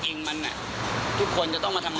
ก็คือระเบียบที่เราต้องทำด้วยกัน